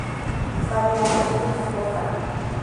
Parianake shakota.